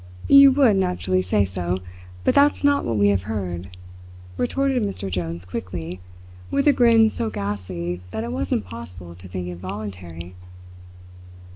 "You would naturally say so, but that's not what we have heard," retorted Mr. Jones quickly, with a grin so ghastly that it was impossible to think it voluntary.